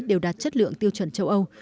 đều đạt chất lượng tiêu chuẩn châu âu